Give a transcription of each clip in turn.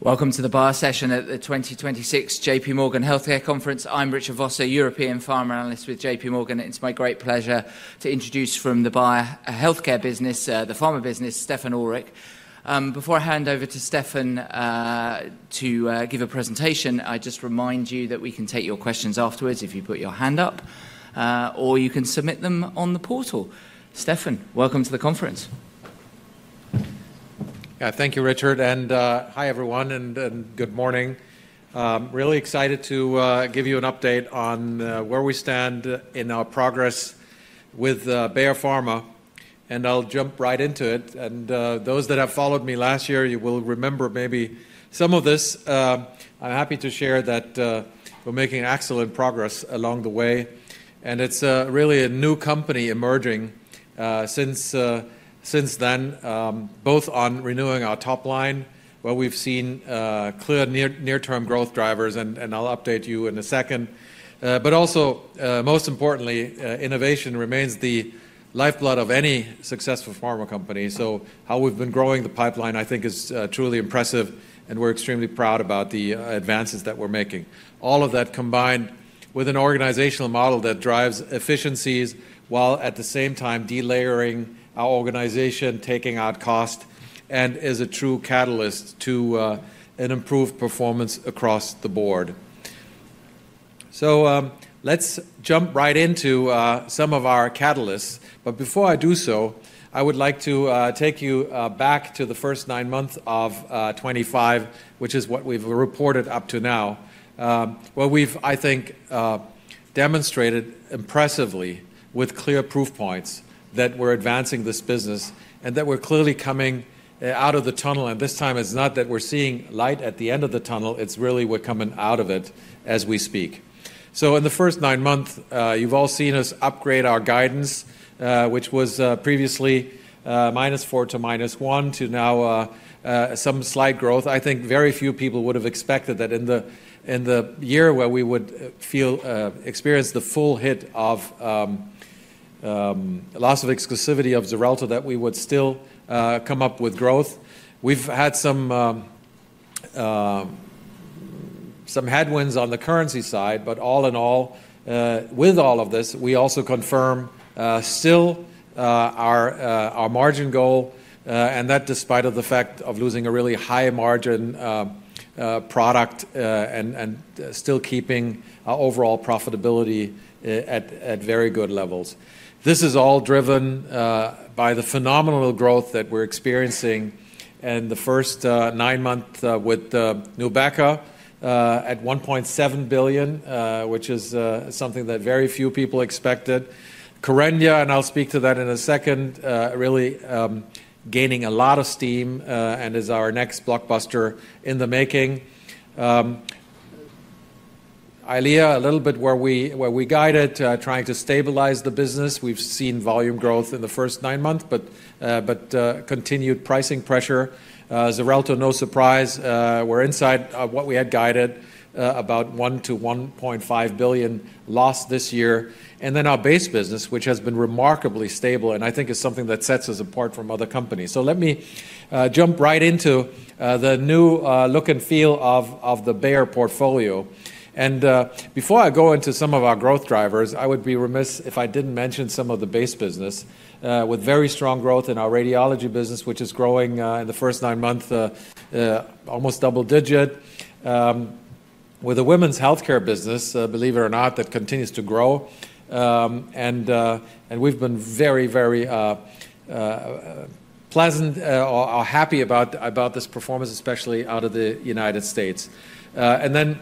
Welcome to the Bayer session at the 2026 J.P. Morgan Healthcare Conference. I'm Richard Vosser, European Pharma Analyst with J.P. Morgan. It's my great pleasure to introduce from the Bayer healthcare business, the pharma business, Stefan Oelrich. Before I hand over to Stefan to give a presentation, I just remind you that we can take your questions afterwards if you put your hand up, or you can submit them on the portal. Stefan, welcome to the conference. Yeah, thank you, Richard. And hi everyone, and good morning. Really excited to give you an update on where we stand in our progress with Bayer Pharma. And I'll jump right into it. And those that have followed me last year, you will remember maybe some of this. I'm happy to share that we're making excellent progress along the way. And it's really a new company emerging since then, both on renewing our top line, where we've seen clear near-term growth drivers, and I'll update you in a second. But also, most importantly, innovation remains the lifeblood of any successful pharma company. So how we've been growing the pipeline, I think, is truly impressive. And we're extremely proud about the advances that we're making. All of that combined with an organizational model that drives efficiencies while at the same time delayering our organization, taking out cost, and is a true catalyst to an improved performance across the board. So let's jump right into some of our catalysts. But before I do so, I would like to take you back to the first nine months of 2025, which is what we've reported up to now. Well, we've, I think, demonstrated impressively with clear proof points that we're advancing this business and that we're clearly coming out of the tunnel. And this time it's not that we're seeing light at the end of the tunnel. It's really we're coming out of it as we speak. So in the first nine months, you've all seen us upgrade our guidance, which was previously -4% to -1% to now some slight growth. I think very few people would have expected that in the year where we would experience the full hit of loss of exclusivity of Xarelto, that we would still come up with growth. We've had some headwinds on the currency side, but all in all, with all of this, we also confirm still our margin goal, and that despite the fact of losing a really high margin product and still keeping our overall profitability at very good levels. This is all driven by the phenomenal growth that we're experiencing in the first nine months with NUBEQA at 1.7 billion, which is something that very few people expected. KERENDIA, and I'll speak to that in a second, really gaining a lot of steam and is our next blockbuster in the making. EYLEA, a little bit where we guided trying to stabilize the business. We've seen volume growth in the first nine months, but continued pricing pressure. Xarelto, no surprise, we're inside what we had guided, about 1 billion-1.5 billion lost this year, and then our base business, which has been remarkably stable, and I think is something that sets us apart from other companies, so let me jump right into the new look and feel of the Bayer portfolio, and before I go into some of our growth drivers, I would be remiss if I didn't mention some of the base business with very strong growth in our radiology business, which is growing in the first nine months, almost double-digit, with a women's healthcare business, believe it or not, that continues to grow, and we've been very, very pleasant or happy about this performance, especially out of the United States, and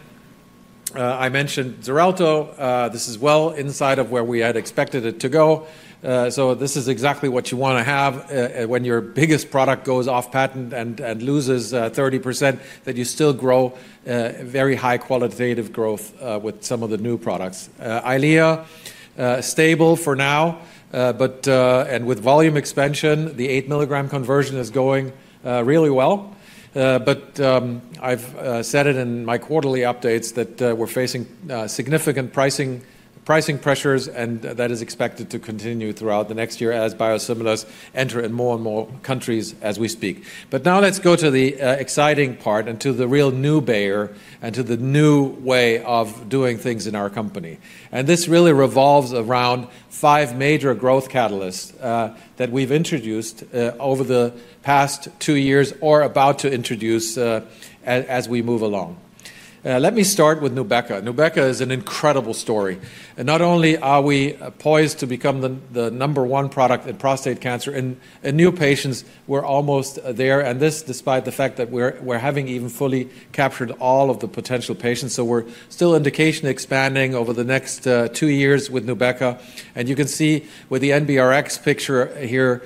then I mentioned Xarelto. This is well inside of where we had expected it to go, so this is exactly what you want to have when your biggest product goes off patent and loses 30%, that you still grow very high qualitative growth with some of the new products. EYLEA, stable for now, but with volume expansion, the 8 mg conversion is going really well, but I've said it in my quarterly updates that we're facing significant pricing pressures, and that is expected to continue throughout the next year as biosimilars enter in more and more countries as we speak, but now let's go to the exciting part and to the real new Bayer and to the new way of doing things in our company, and this really revolves around five major growth catalysts that we've introduced over the past two years or about to introduce as we move along. Let me start with NUBEQA. NUBEQA is an incredible story. And not only are we poised to become the number one product in prostate cancer in new patients, we're almost there. And this despite the fact that we're having even fully captured all of the potential patients. So we're still in the case of expanding over the next two years with NUBEQA. And you can see with the NBRx picture here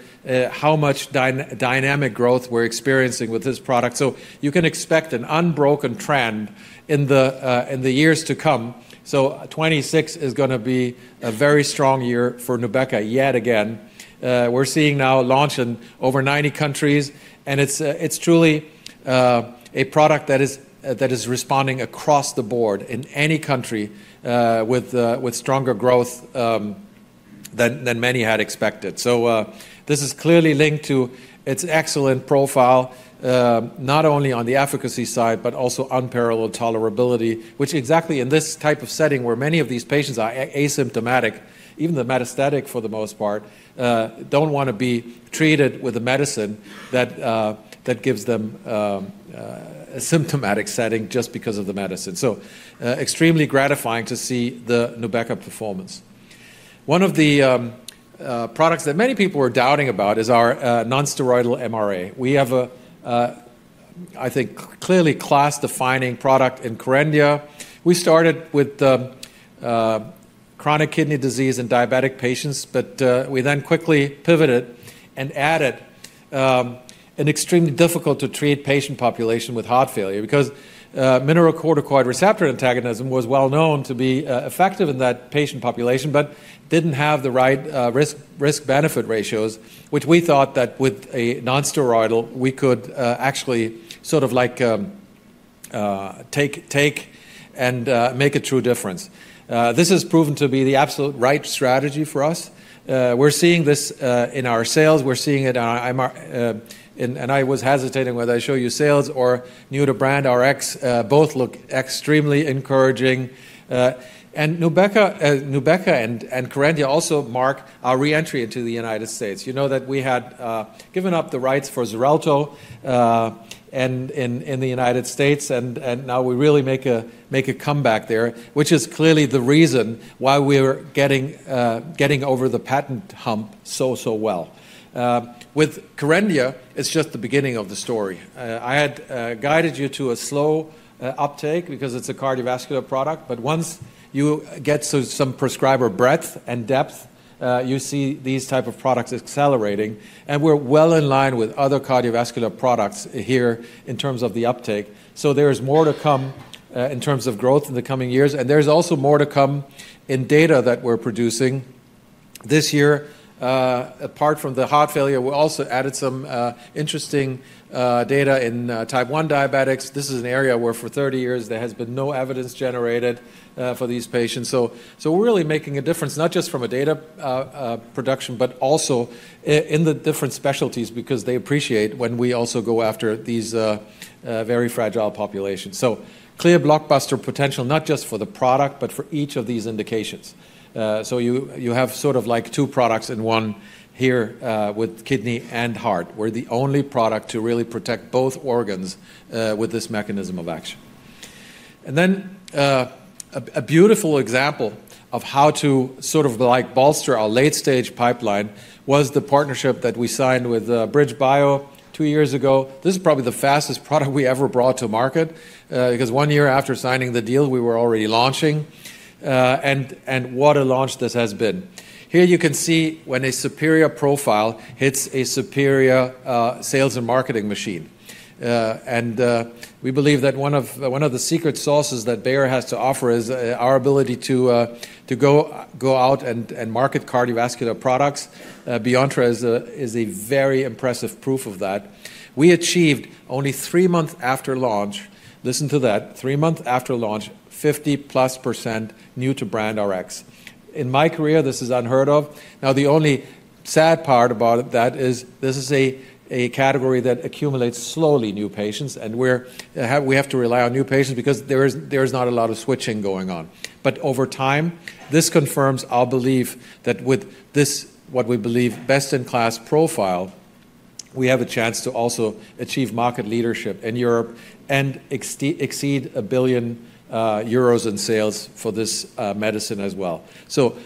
how much dynamic growth we're experiencing with this product. So you can expect an unbroken trend in the years to come. So 2026 is going to be a very strong year for NUBEQA yet again. We're seeing now launch in over 90 countries. And it's truly a product that is responding across the board in any country with stronger growth than many had expected. This is clearly linked to its excellent profile, not only on the efficacy side, but also unparalleled tolerability, which exactly in this type of setting where many of these patients are asymptomatic, even the metastatic for the most part, don't want to be treated with a medicine that gives them a symptomatic setting just because of the medicine. It is extremely gratifying to see the NUBEQA performance. One of the products that many people were doubting about is our nonsteroidal MRA. We have a, I think, clearly class-defining product in KERENDIA. We started with chronic kidney disease and diabetic patients, but we then quickly pivoted and added an extremely difficult-to-treat patient population with heart failure because mineralocorticoid receptor antagonism was well known to be effective in that patient population, but didn't have the right risk-benefit ratios, which we thought that with a nonsteroidal we could actually sort of like take and make a true difference. This has proven to be the absolute right strategy for us. We're seeing this in our sales. We're seeing it in our MRA. And I was hesitating whether I show you sales or new to brand Rx. Both look extremely encouraging. And NUBEQA and KERENDIA also mark our re-entry into the United States. You know that we had given up the rights for Xarelto in the United States, and now we really make a comeback there, which is clearly the reason why we're getting over the patent hump so, so well. With KERENDIA, it's just the beginning of the story. I had guided you to a slow uptake because it's a cardiovascular product, but once you get some prescriber breadth and depth, you see these types of products accelerating, and we're well in line with other cardiovascular products here in terms of the uptake, so there is more to come in terms of growth in the coming years, and there's also more to come in data that we're producing this year. Apart from the heart failure, we also added some interesting data in type 1 diabetics. This is an area where for 30 years there has been no evidence generated for these patients. We're really making a difference, not just from a data production, but also in the different specialties because they appreciate when we also go after these very fragile populations. Clear blockbuster potential, not just for the product, but for each of these indications. You have sort of like two products in one here with kidney and heart. We're the only product to really protect both organs with this mechanism of action. A beautiful example of how to sort of like bolster our late-stage pipeline was the partnership that we signed with BridgeBio two years ago. This is probably the fastest product we ever brought to market because one year after signing the deal, we were already launching. What a launch this has been. Here you can see when a superior profile hits a superior sales and marketing machine. And we believe that one of the secret sauces that Bayer has to offer is our ability to go out and market cardiovascular products. Acoramidis is a very impressive proof of that. We achieved only three months after launch, listen to that, three months after launch, 50+% new to brand Rx. In my career, this is unheard of. Now, the only sad part about that is this is a category that accumulates slowly new patients, and we have to rely on new patients because there is not a lot of switching going on. But over time, this confirms, I believe, that with this, what we believe best-in-class profile, we have a chance to also achieve market leadership in Europe and exceed 1 billion euros in sales for this medicine as well. So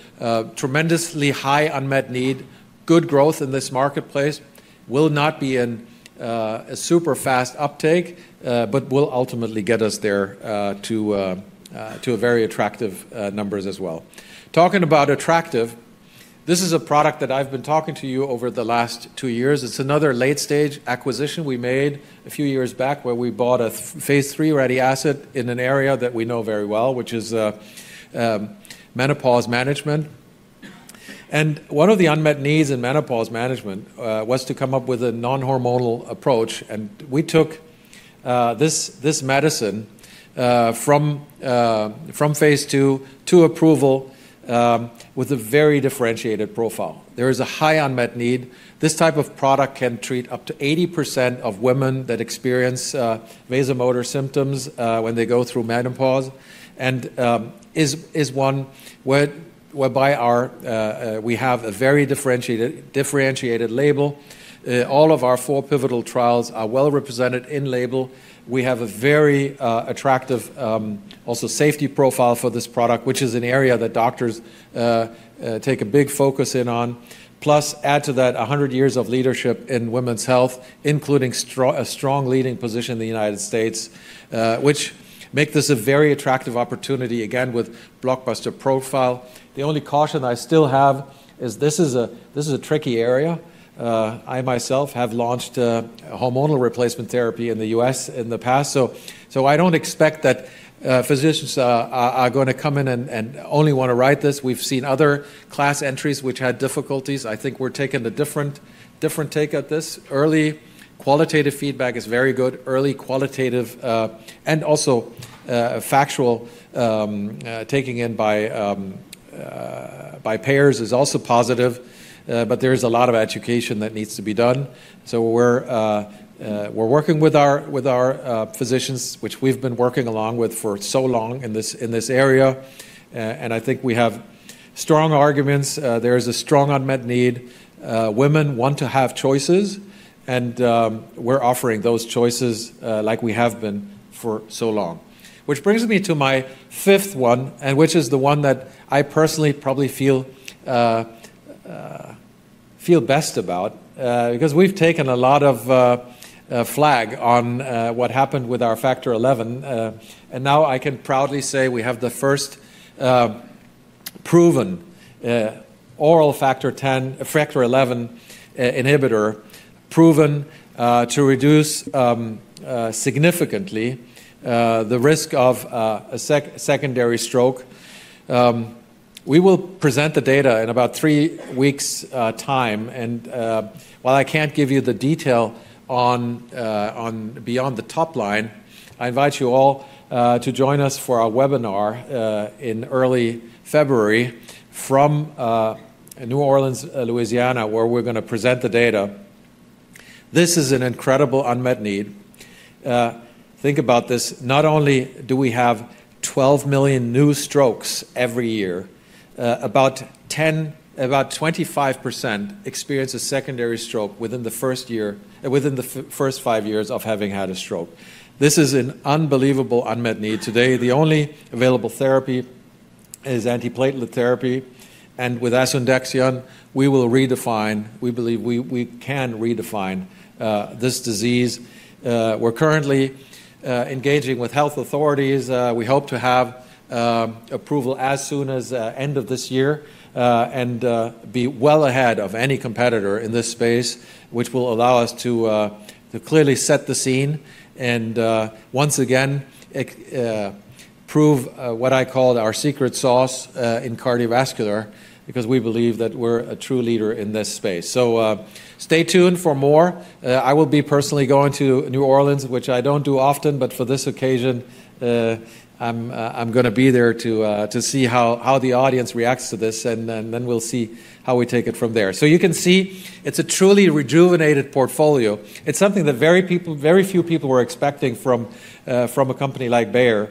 tremendously high unmet need, good growth in this marketplace. Will not be in a super fast uptake, but will ultimately get us there to very attractive numbers as well. Talking about attractive, this is a product that I've been talking to you over the last two years. It's another late-stage acquisition we made a few years back where we bought a phase III ready asset in an area that we know very well, which is menopause management. And one of the unmet needs in menopause management was to come up with a non-hormonal approach. And we took this medicine from phase II to approval with a very differentiated profile. There is a high unmet need. This type of product can treat up to 80% of women that experience vasomotor symptoms when they go through menopause and is one whereby we have a very differentiated label. All of our four pivotal trials are well represented in label. We have a very attractive safety profile for this product, which is an area that doctors take a big focus in on. Plus, add to that 100 years of leadership in women's health, including a strong leading position in the United States, which makes this a very attractive opportunity, again, with blockbuster profile. The only caution I still have is this is a tricky area. I myself have launched hormone replacement therapy in the U.S. in the past. So I don't expect that physicians are going to come in and only want to write this. We've seen other class entries which had difficulties. I think we're taking a different take at this. Early qualitative feedback is very good. Early qualitative and also factual taking in by payers is also positive, but there is a lot of education that needs to be done. We're working with our physicians, which we've been working along with for so long in this area. I think we have strong arguments. There is a strong unmet need. Women want to have choices, and we're offering those choices like we have been for so long, which brings me to my fifth one, which is the one that I personally probably feel best about because we've taken a lot of flak on what happened with our Factor XI. Now I can proudly say we have the first proven oral Factor XI inhibitor proven to reduce significantly the risk of a secondary stroke. We will present the data in about three weeks' time. And while I can't give you the detail beyond the top line, I invite you all to join us for our webinar in early February from New Orleans, Louisiana, where we're going to present the data. This is an incredible unmet need. Think about this. Not only do we have 12 million new strokes every year, about 25% experience a secondary stroke within the first year within the first five years of having had a stroke. This is an unbelievable unmet need. Today, the only available therapy is antiplatelet therapy. And with Asundexian, we will redefine; we believe we can redefine this disease. We're currently engaging with health authorities. We hope to have approval as soon as the end of this year and be well ahead of any competitor in this space, which will allow us to clearly set the scene and once again prove what I call our secret sauce in cardiovascular because we believe that we're a true leader in this space. So stay tuned for more. I will be personally going to New Orleans, which I don't do often, but for this occasion, I'm going to be there to see how the audience reacts to this, and then we'll see how we take it from there. So you can see it's a truly rejuvenated portfolio. It's something that very few people were expecting from a company like Bayer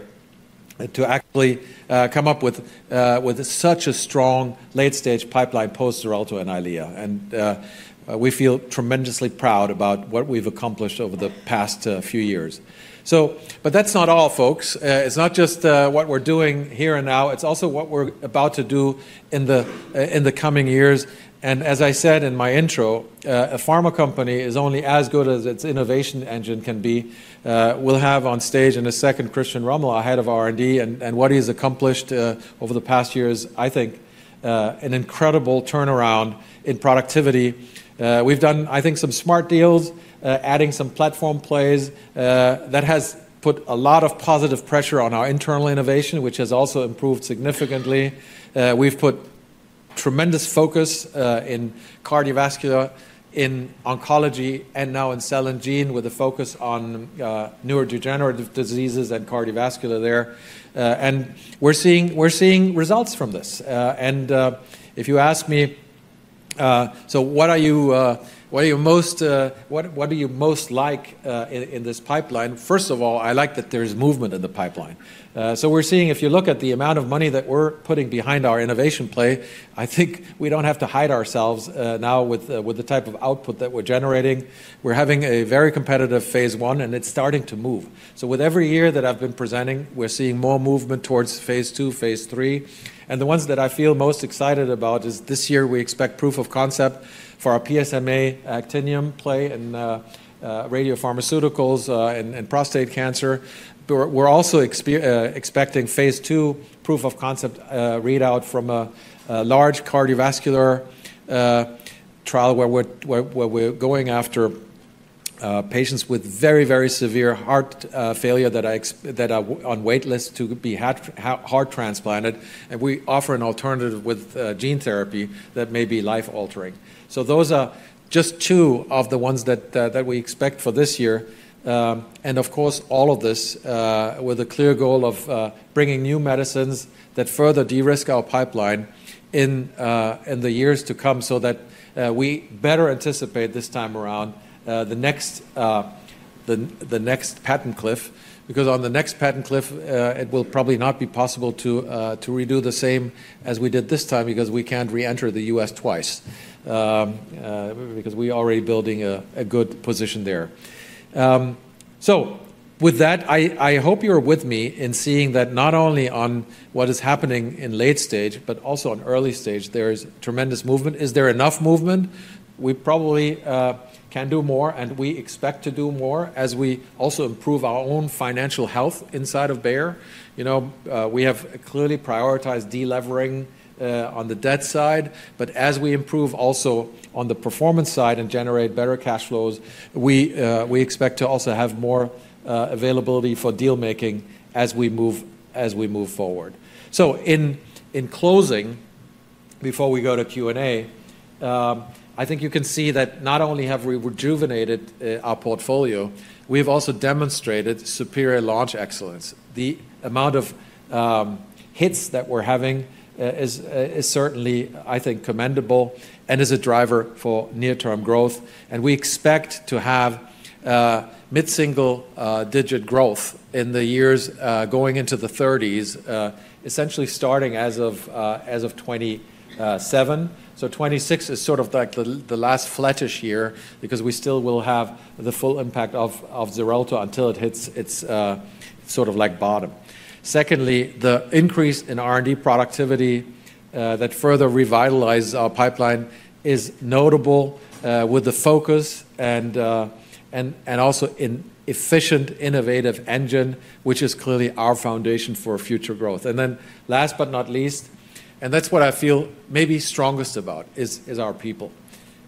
to actually come up with such a strong late-stage pipeline post-Xarelto and EYLEA. And we feel tremendously proud about what we've accomplished over the past few years. But that's not all, folks. It's not just what we're doing here and now. It's also what we're about to do in the coming years. And as I said in my intro, a pharma company is only as good as its innovation engine can be. We'll have on stage in a second Christian Rommel, our Head of R&D, and what he has accomplished over the past years, I think, an incredible turnaround in productivity. We've done, I think, some smart deals, adding some platform plays that have put a lot of positive pressure on our internal innovation, which has also improved significantly. We've put tremendous focus in cardiovascular, in oncology, and now in cell and gene with a focus on neurodegenerative diseases and cardiovascular there. And we're seeing results from this. And if you ask me, so what are you most like in this pipeline? First of all, I like that there is movement in the pipeline, so we're seeing, if you look at the amount of money that we're putting behind our innovation play, I think we don't have to hide ourselves now with the type of output that we're generating. We're having a very competitive phase I, and it's starting to move, so with every year that I've been presenting, we're seeing more movement towards phase II, phase III, and the ones that I feel most excited about is this year we expect proof of concept for our PSMA actinium play in radiopharmaceuticals and prostate cancer. We're also expecting phase II proof of concept readout from a large cardiovascular trial where we're going after patients with very, very severe heart failure that are on waitlist to be heart transplanted, and we offer an alternative with gene therapy that may be life-altering. So those are just two of the ones that we expect for this year. And of course, all of this with a clear goal of bringing new medicines that further de-risk our pipeline in the years to come so that we better anticipate this time around the next patent cliff because on the next patent cliff, it will probably not be possible to redo the same as we did this time because we can't re-enter the U.S. twice because we are already building a good position there. So with that, I hope you're with me in seeing that not only on what is happening in late stage, but also in early stage, there is tremendous movement. Is there enough movement? We probably can do more, and we expect to do more as we also improve our own financial health inside of Bayer. We have clearly prioritized delevering on the debt side, but as we improve also on the performance side and generate better cash flows, we expect to also have more availability for deal-making as we move forward. So in closing, before we go to Q&A, I think you can see that not only have we rejuvenated our portfolio, we have also demonstrated superior launch excellence. The amount of hits that we're having is certainly, I think, commendable and is a driver for near-term growth. And we expect to have mid-single-digit growth in the years going into the 30s, essentially starting as of 2027. So 2026 is sort of like the last flattish year because we still will have the full impact of Xarelto until it hits its sort of like bottom. Secondly, the increase in R&D productivity that further revitalizes our pipeline is notable with the focus and also an efficient innovative engine, which is clearly our foundation for future growth. Then last but not least, and that's what I feel maybe strongest about, is our people.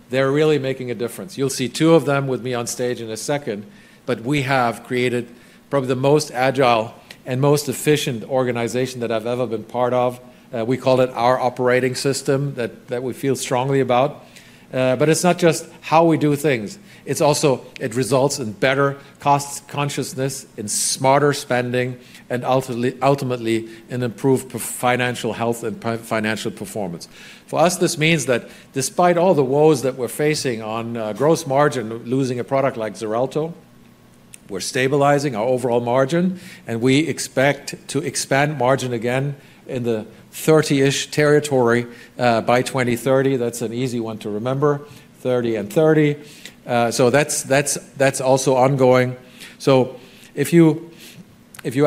They're really making a difference. You'll see two of them with me on stage in a second, but we have created probably the most agile and most efficient organization that I've ever been part of. We call it our operating system that we feel strongly about. But it's not just how we do things. It's also it results in better cost consciousness, in smarter spending, and ultimately an improved financial health and financial performance. For us, this means that despite all the woes that we're facing on gross margin losing a product like Xarelto, we're stabilizing our overall margin, and we expect to expand margin again in the 30-ish territory by 2030. That's an easy one to remember, 30 and 30, so that's also ongoing, so if you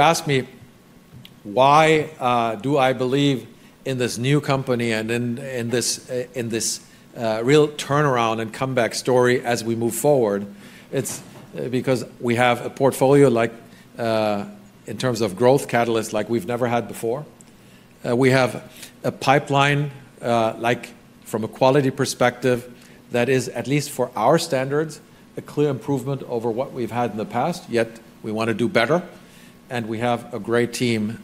ask me why do I believe in this new company and in this real turnaround and comeback story as we move forward, it's because we have a portfolio in terms of growth catalyst like we've never had before. We have a pipeline from a quality perspective that is, at least for our standards, a clear improvement over what we've had in the past, yet we want to do better, and we have a great team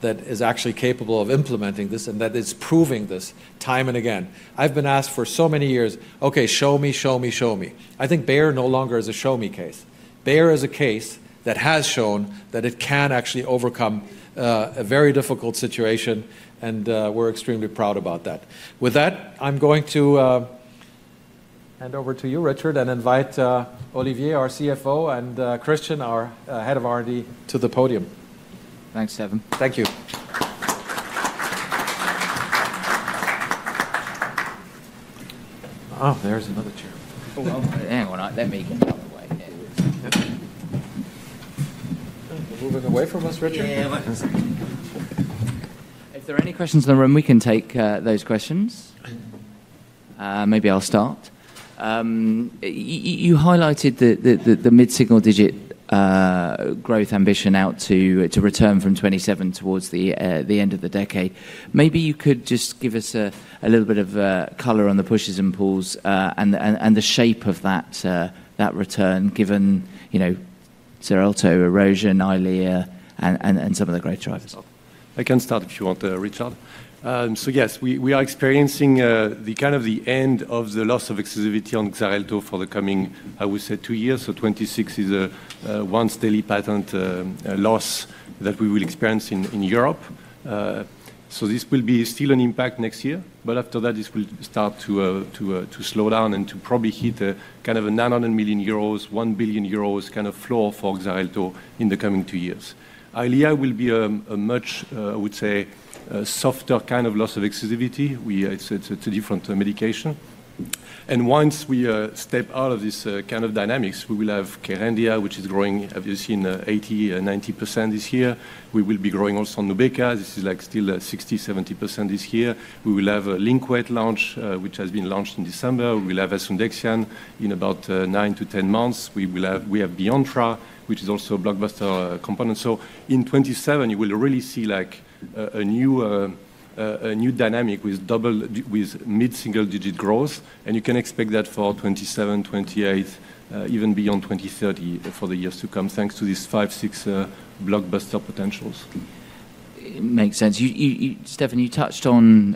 that is actually capable of implementing this and that is proving this time and again. I've been asked for so many years, "Okay, show me, show me, show me." I think Bayer no longer is a show-me case. Bayer is a case that has shown that it can actually overcome a very difficult situation, and we're extremely proud about that. With that, I'm going to hand over to you, Richard, and invite Olivier, our CFO, and Christian, our Head of R&D, to the podium. Thanks, Stefan. Thank you. Oh, there's another chair. Oh, hang on. Let me get out of the way. Moving away from us, Richard? Yeah, let's see. If there are any questions in the room, we can take those questions. Maybe I'll start. You highlighted the mid-single-digit growth ambition out to 2027 towards the end of the decade. Maybe you could just give us a little bit of color on the pushes and pulls and the shape of that return given Xarelto erosion, EYLEA, and some of the great drivers. I can start if you want, Richard. So yes, we are experiencing kind of the end of the loss of exclusivity on Xarelto for the coming, I would say, two years. So 2026 is a once-daily patent loss that we will experience in Europe. So this will be still an impact next year, but after that, this will start to slow down and to probably hit kind of a 900 million EUR-1 billion EUR kind of floor for Xarelto in the coming two years. EYLEA will be a much, I would say, softer kind of loss of exclusivity. It's a different medication. And once we step out of this kind of dynamics, we will have KERENDIA, which is growing, as you've seen, 80%-90% this year. We will be growing also on NUBEQA. This is like still 60%-70% this year. We will have Lynkuet launch, which has been launched in December. We will have Asundexian in about nine to 10 months. We have BEYONTTRA, which is also a blockbuster component. So in 2027, you will really see a new dynamic with mid-single-digit growth. And you can expect that for 2027, 2028, even beyond 2030 for the years to come thanks to these five, six blockbuster potentials. It makes sense. Stefan, you touched on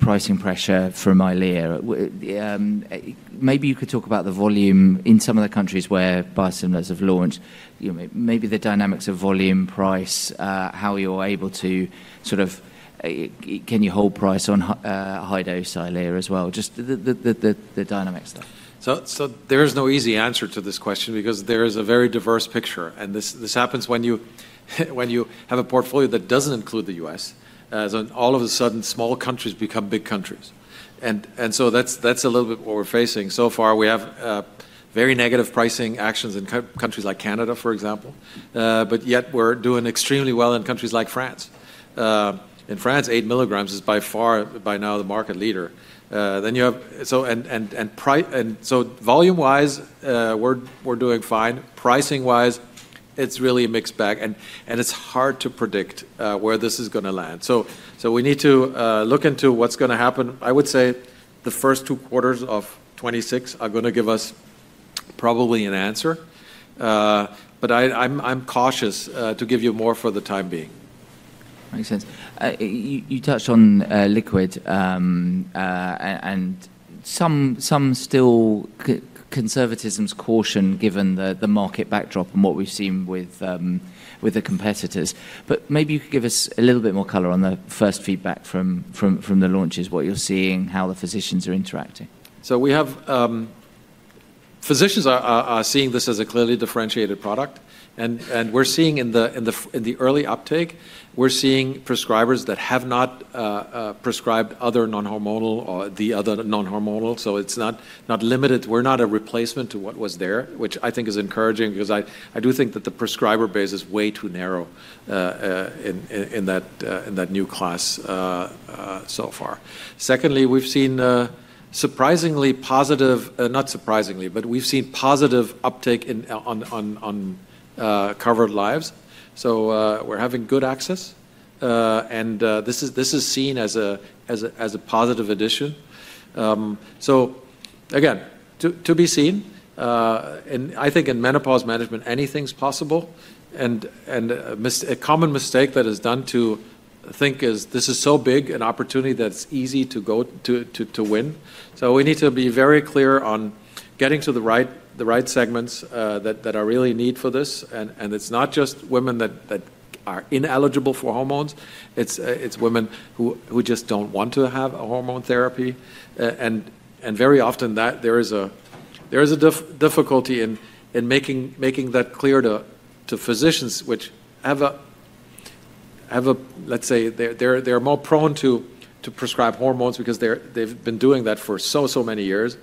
pricing pressure from EYLEA. Maybe you could talk about the volume in some of the countries where biosimilars have launched. Maybe the dynamics of volume, price, how you're able to sort of can you hold price on high-dose EYLEA as well? Just the dynamic stuff. So there is no easy answer to this question because there is a very diverse picture. And this happens when you have a portfolio that doesn't include the US, as all of a sudden, small countries become big countries. And so that's a little bit what we're facing. So far, we have very negative pricing actions in countries like Canada, for example. But yet, we're doing extremely well in countries like France. In France, 8 mg is by far by now the market leader. And so volume-wise, we're doing fine. Pricing-wise, it's really a mixed bag, and it's hard to predict where this is going to land. So we need to look into what's going to happen. I would say the first two quarters of 2026 are going to give us probably an answer. But I'm cautious to give you more for the time being. Makes sense. You touched on liquidity, and some still conservative caution given the market backdrop and what we've seen with the competitors. But maybe you could give us a little bit more color on the first feedback from the launches, what you're seeing, how the physicians are interacting. So physicians are seeing this as a clearly differentiated product. And we're seeing in the early uptake, we're seeing prescribers that have not prescribed other non-hormonal or the other non-hormonal. So it's not limited. We're not a replacement to what was there, which I think is encouraging because I do think that the prescriber base is way too narrow in that new class so far. Secondly, we've seen surprisingly positive not surprisingly, but we've seen positive uptake on covered lives. So we're having good access. And this is seen as a positive addition. So again, to be seen. And I think in menopause management, anything's possible. And a common mistake that is done to think is this is so big, an opportunity that's easy to win. So we need to be very clear on getting to the right segments that are really needed for this. And it's not just women that are ineligible for hormones. It's women who just don't want to have hormone therapy. And very often, there is a difficulty in making that clear to physicians, which have, let's say, they're more prone to prescribe hormones because they've been doing that for so, so many years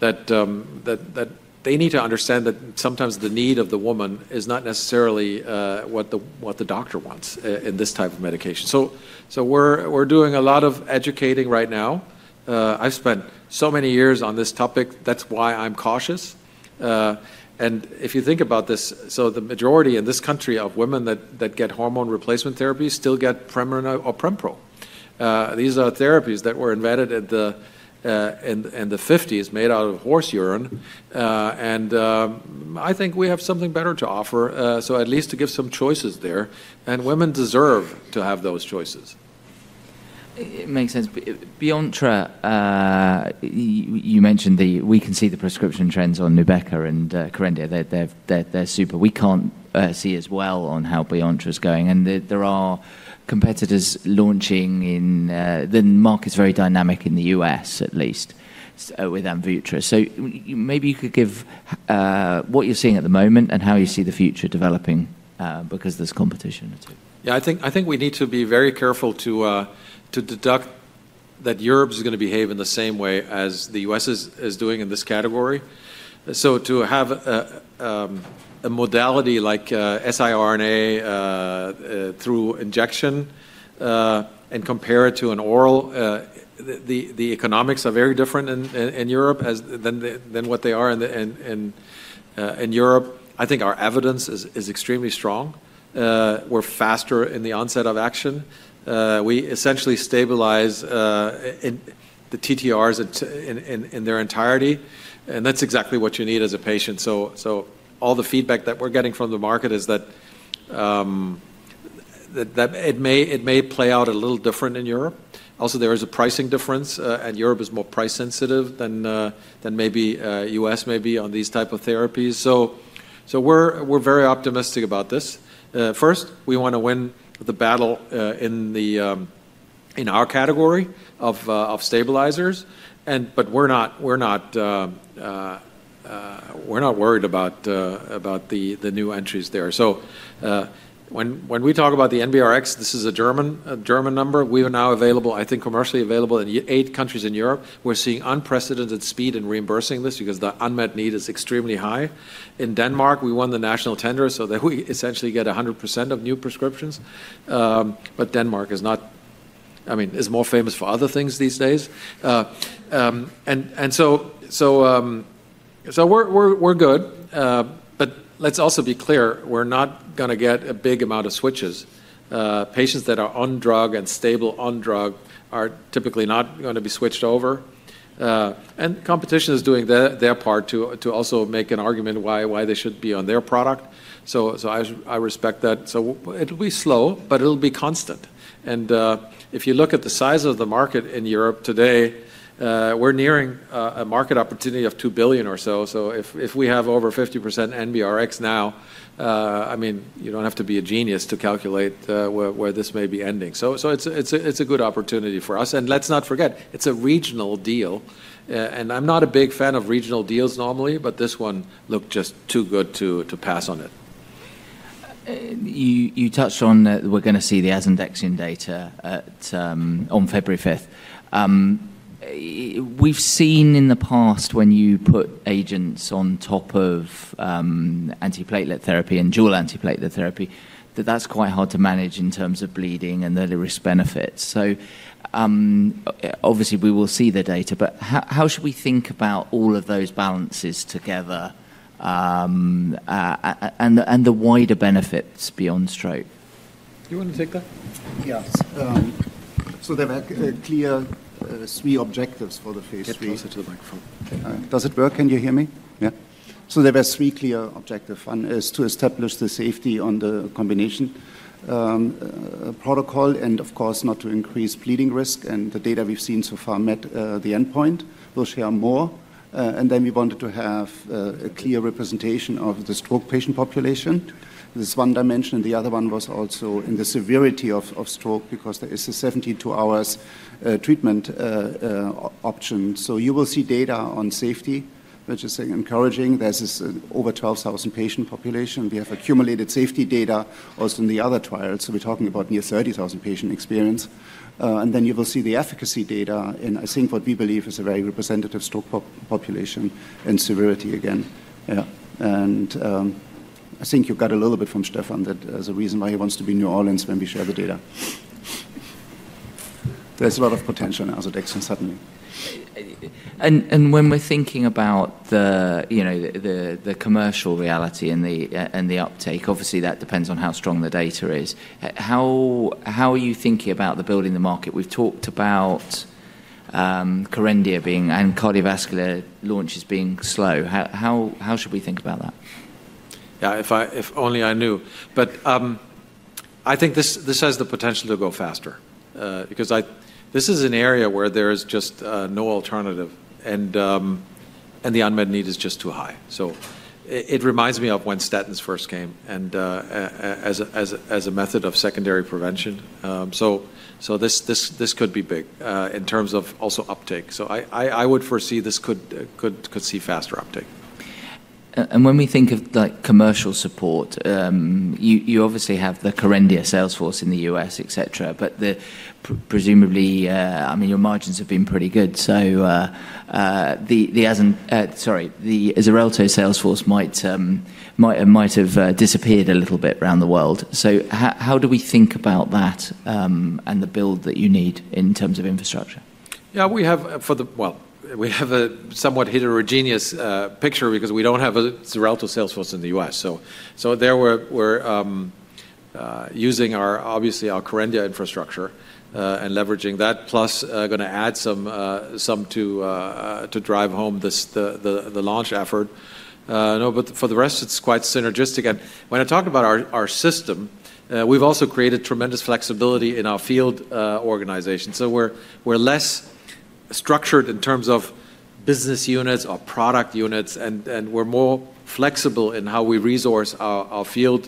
that they need to understand that sometimes the need of the woman is not necessarily what the doctor wants in this type of medication. So we're doing a lot of educating right now. I've spent so many years on this topic. That's why I'm cautious. And if you think about this, so the majority in this country of women that get hormone replacement therapy still get Premarin or Prempro. These are therapies that were invented in the 1950s, made out of horse urine. And I think we have something better to offer, so at least to give some choices there. And women deserve to have those choices. It makes sense. BEYONTTRA, you mentioned we can see the prescription trends on NUBEQA and KERENDIA. They're super. We can't see as well on how BEYONTTRA is going. And there are competitors launching in the market's very dynamic in the US, at least, with Amvutra. So maybe you could give what you're seeing at the moment and how you see the future developing because there's competition. Yeah, I think we need to be very careful to deduce that Europe is going to behave in the same way as the U.S. is doing in this category. So to have a modality like siRNA through injection and compare it to an oral, the economics are very different in Europe than what they are in Europe. I think our evidence is extremely strong. We're faster in the onset of action. We essentially stabilize the TTRs in their entirety. And that's exactly what you need as a patient. So all the feedback that we're getting from the market is that it may play out a little different in Europe. Also, there is a pricing difference, and Europe is more price-sensitive than maybe the U.S. may be on these types of therapies. So we're very optimistic about this. First, we want to win the battle in our category of stabilizers. But we're not worried about the new entries there. So when we talk about the NBRx, this is a German number. We are now available, I think commercially available in eight countries in Europe. We're seeing unprecedented speed in reimbursing this because the unmet need is extremely high. In Denmark, we won the national tender, so that we essentially get 100% of new prescriptions. But Denmark is not, I mean, is more famous for other things these days. And so we're good. But let's also be clear, we're not going to get a big amount of switches. Patients that are on drug and stable on drug are typically not going to be switched over. And competition is doing their part to also make an argument why they should be on their product. So I respect that. So it'll be slow, but it'll be constant. And if you look at the size of the market in Europe today, we're nearing a market opportunity of 2 billion or so. So if we have over 50% NBRx now, I mean, you don't have to be a genius to calculate where this may be ending. So it's a good opportunity for us. And let's not forget, it's a regional deal. And I'm not a big fan of regional deals normally, but this one looked just too good to pass on it. You touched on that we're going to see the Asundexian data on February 5th. We've seen in the past when you put agents on top of antiplatelet therapy and dual antiplatelet therapy that that's quite hard to manage in terms of bleeding and the risk-benefits. So obviously, we will see the data. But how should we think about all of those balances together and the wider benefits beyond stroke? Do you want to take that? There were three clear objectives for the phase III. Does it work? Can you hear me? Yeah. So there were three clear objectives. One is to establish the safety on the combination protocol and, of course, not to increase bleeding risk. And the data we've seen so far met the endpoint. We'll share more. And then we wanted to have a clear representation of the stroke patient population. This one dimension, the other one was also in the severity of stroke because there is a 72-hour treatment option. So you will see data on safety, which is encouraging. There's over 12,000 patient population. We have accumulated safety data also in the other trials. So we're talking about near 30,000 patient experience. And then you will see the efficacy data in, I think, what we believe is a very representative stroke population and severity again. Yeah. I think you got a little bit from Stefan that is a reason why he wants to be in New Orleans when we share the data. There's a lot of potential in Asundexian suddenly. When we're thinking about the commercial reality and the uptake, obviously, that depends on how strong the data is. How are you thinking about building the market? We've talked about KERENDIA and cardiovascular launches being slow. How should we think about that? Yeah, if only I knew. But I think this has the potential to go faster because this is an area where there is just no alternative. And the unmet need is just too high. So it reminds me of when statins first came as a method of secondary prevention. So this could be big in terms of also uptake. So I would foresee this could see faster uptake. When we think of commercial support, you obviously have the KERENDIA sales force in the U.S., et cetera. Presumably, I mean, your margins have been pretty good. The Xarelto sales force might have disappeared a little bit around the world. How do we think about that and the build that you need in terms of infrastructure? Yeah, we have a somewhat heterogeneous picture because we don't have a Xarelto sales force in the U.S. So there we're using, obviously, our KERENDIA infrastructure and leveraging that, plus going to add some to drive home the launch effort. But for the rest, it's quite synergistic. And when I talk about our system, we've also created tremendous flexibility in our field organization. So we're less structured in terms of business units or product units. And we're more flexible in how we resource our field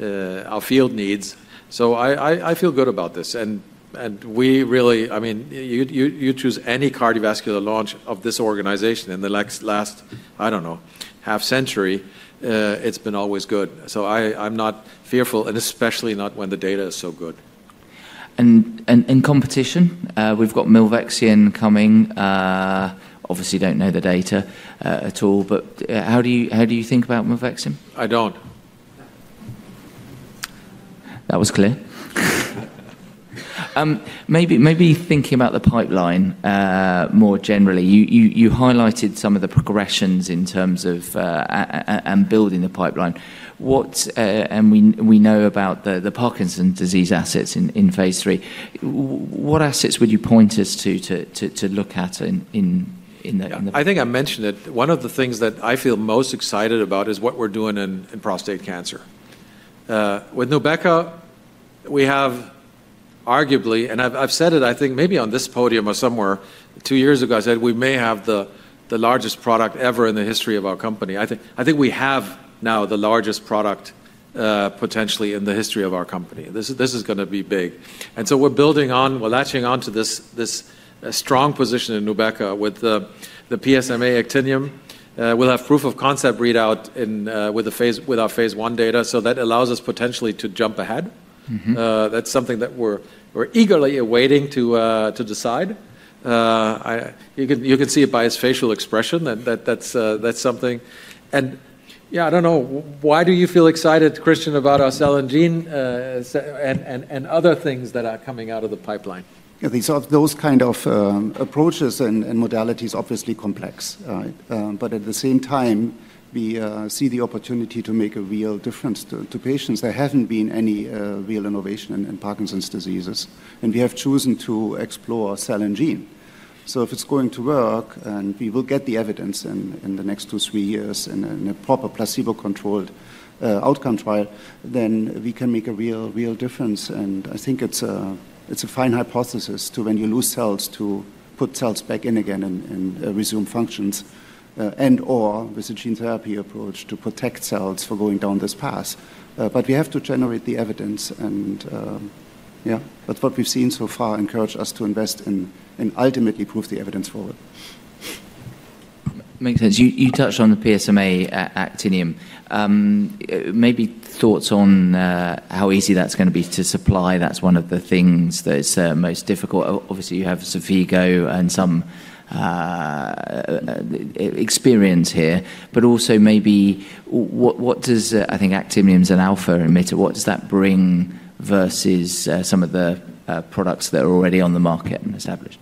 needs. So I feel good about this. And we really, I mean, you choose any cardiovascular launch of this organization in the last, I don't know, half century, it's been always good. So I'm not fearful, and especially not when the data is so good. In competition, we've got Milvexian coming. Obviously, don't know the data at all. How do you think about Milvexian? I don't. That was clear. Maybe thinking about the pipeline more generally, you highlighted some of the progressions in terms of building the pipeline. We know about the Parkinson's disease assets in phase III. What assets would you point us to look at in the pipeline? I think I mentioned it. One of the things that I feel most excited about is what we're doing in prostate cancer. With NUBEQA, we have arguably, and I've said it, I think, maybe on this podium or somewhere, two years ago, I said we may have the largest product ever in the history of our company. I think we have now the largest product potentially in the history of our company. This is going to be big, and so we're building on, we're latching on to this strong position in NUBEQA with the PSMA actinium. We'll have proof of concept readout with our phase I data. So that allows us potentially to jump ahead. That's something that we're eagerly awaiting to decide. You can see it by his facial expression that that's something. And yeah, I don't know. Why do you feel excited, Christian, about our cell and gene and other things that are coming out of the pipeline? Yeah, these are those kind of approaches and modalities, obviously complex. But at the same time, we see the opportunity to make a real difference to patients. There haven't been any real innovation in Parkinson's disease. And we have chosen to explore cell and gene. So if it's going to work, and we will get the evidence in the next two, three years in a proper placebo-controlled outcome trial, then we can make a real difference. And I think it's a fine hypothesis to when you lose cells to put cells back in again and resume functions and/or with a gene therapy approach to protect cells for going down this path. But we have to generate the evidence. And yeah, but what we've seen so far encourages us to invest in ultimately prove the evidence forward. Makes sense. You touched on the PSMA actinium. Maybe thoughts on how easy that's going to be to supply. That's one of the things that is most difficult. Obviously, you have some Vigo and some experience here. But also maybe what does, I think, actinium and alpha emitter? What does that bring versus some of the products that are already on the market and established?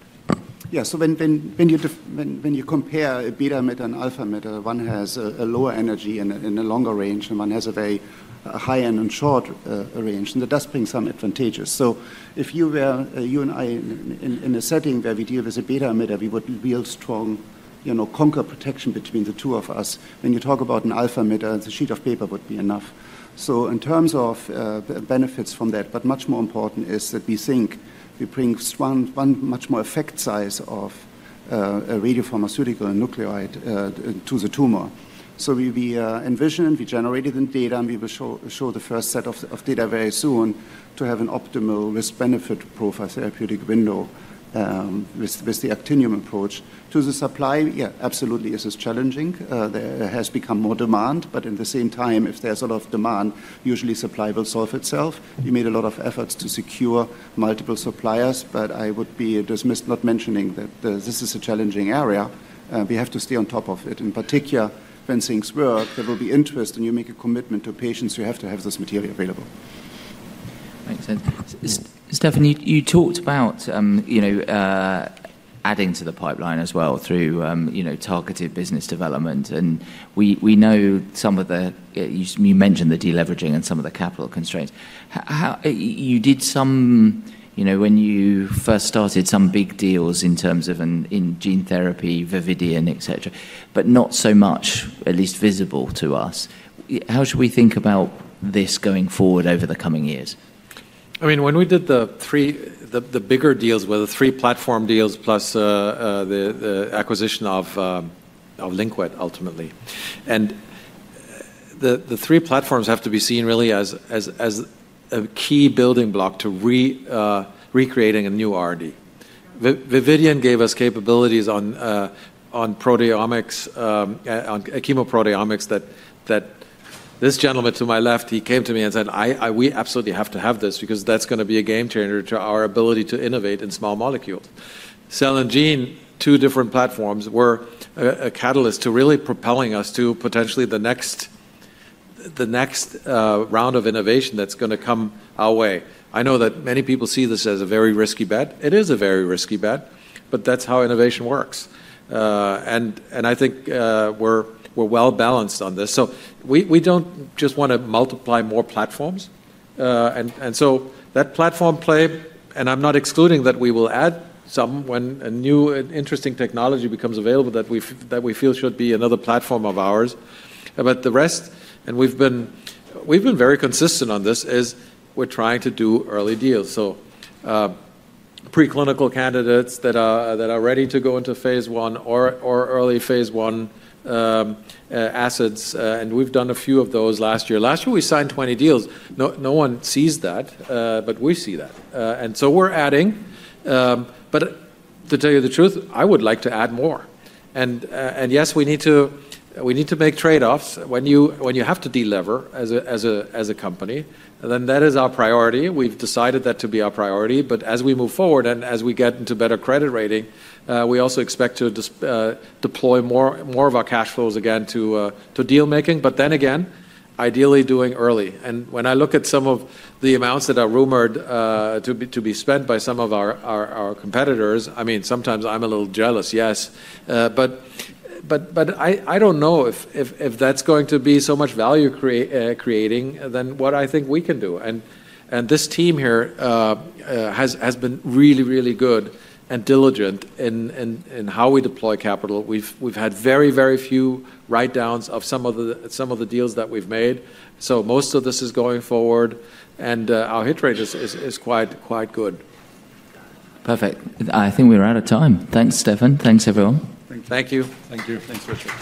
Yeah, so when you compare a beta emitter and alpha emitter, one has a lower energy in the longer range, and one has a very high-end and short range. And that does bring some advantages. So if you were you and I in a setting where we deal with a beta emitter, we would build strong concrete protection between the two of us. When you talk about an alpha emitter, the sheet of paper would be enough. So in terms of benefits from that, but much more important is that we think we bring one much more effect size of a radiopharmaceutical nuclide to the tumor. So we envisioned, we generated the data, and we will show the first set of data very soon to have an optimal risk-benefit profile therapeutic window with the actinium approach. To the supply, yeah, absolutely it is challenging. There has become more demand. But at the same time, if there's a lot of demand, usually supply will solve itself. We made a lot of efforts to secure multiple suppliers. But I would be remiss not mentioning that this is a challenging area. We have to stay on top of it. In particular, when things work, there will be interest. And you make a commitment to patients, you have to have this material available. Makes sense. Stefan, you talked about adding to the pipeline as well through targeted business development. And we know some of, you mentioned the deleveraging and some of the capital constraints. You did some when you first started some big deals in terms of in gene therapy, Vividion, et cetera, but not so much, at least visible to us. How should we think about this going forward over the coming years? I mean, when we did the bigger deals were the three platform deals plus the acquisition of LiQuid ultimately. And the three platforms have to be seen really as a key building block to recreating a new R&D. Vividion gave us capabilities on chemoproteomics that this gentleman to my left, he came to me and said, "We absolutely have to have this because that's going to be a game changer to our ability to innovate in small molecules." Cell and gene, two different platforms, were a catalyst to really propelling us to potentially the next round of innovation that's going to come our way. I know that many people see this as a very risky bet. It is a very risky bet. But that's how innovation works. And I think we're well balanced on this. So we don't just want to multiply more platforms. And so that platform play, and I'm not excluding that we will add some when a new interesting technology becomes available that we feel should be another platform of ours. But the rest, and we've been very consistent on this, is we're trying to do early deals. So preclinical candidates that are ready to go into phase I or early phase I assets. And we've done a few of those last year. Last year, we signed 20 deals. No one sees that, but we see that. And so we're adding. But to tell you the truth, I would like to add more. And yes, we need to make trade-offs. When you have to deliver as a company, then that is our priority. We've decided that to be our priority. But as we move forward and as we get into better credit rating, we also expect to deploy more of our cash flows again to deal-making. But then again, ideally doing early. And when I look at some of the amounts that are rumored to be spent by some of our competitors, I mean, sometimes I'm a little jealous, yes. But I don't know if that's going to be so much value creating than what I think we can do. And this team here has been really, really good and diligent in how we deploy capital. We've had very, very few write-downs of some of the deals that we've made. So most of this is going forward. And our hit rate is quite good. Perfect. I think we're out of time. Thanks, Stefan. Thanks, everyone. Thank you. Thank you. Thanks, Christian.